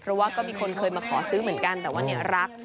เพราะว่าก็มีคนเคยมาขอซื้อเหมือนกันแต่ว่าเนี่ยรัก